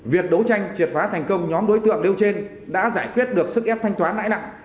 việc đấu tranh triệt phá thành công nhóm đối tượng nêu trên đã giải quyết được sức ép thanh toán lãi nặng